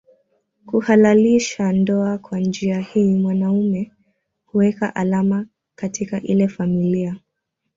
Kuhalalisha ndoa Kwa njia hii mwanaume huweka alama katika ile familia